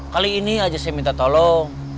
kali ini aja saya minta tolong